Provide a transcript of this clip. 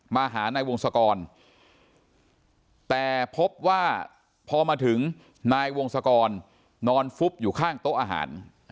มาหานายวงศกรแต่พบว่าพอมาถึงนายวงศกรนอนฟุบอยู่ข้างโต๊ะอาหาร